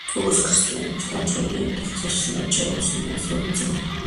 როგორც ქრისტიანობის დამცველი, იანი ტახტზე ასვლისთანავე ჩაება მუსულმან ოსმალებთან ბრძოლაში.